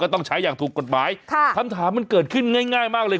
ต้องใช้อย่างถูกกฎหมายค่ะคำถามมันเกิดขึ้นง่ายง่ายมากเลย